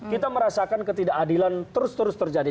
kita merasakan ketidakadilan terus terus terjadi